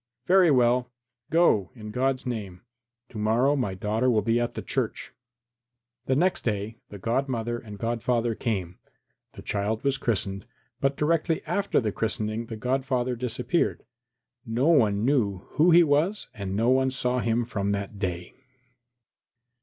"Very well; go, in God's name. To morrow my daughter will be at the church." The next day the godmother and godfather came; the child was christened, but directly after the christening the godfather disappeared. No one knew who he was and no one saw him from that day.